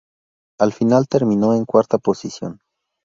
Al final terminó en cuarta posición.